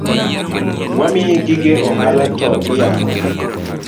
Wamiyi gige ohala to iyako?